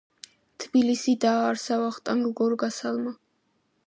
თბილისი დააარსა ვახტანგ გორგასალმა.